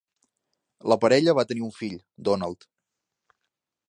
La parella va tenir un fill, Donald.